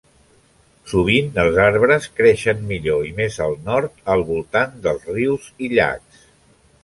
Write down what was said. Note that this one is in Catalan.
Sovint els arbres creixen millor i més al nord al voltant dels rius i llacs.